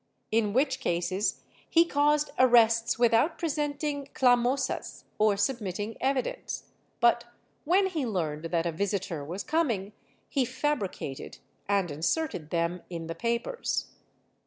In witch cases he caused arrests without presenting clamosas or submitting evidence, but when he learned that a visitor was coming he fabricated and inserted them in the papers.